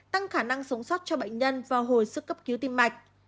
tăng khả năng sống sót cho bệnh nhân vào hồi sức cấp cứu tim mạch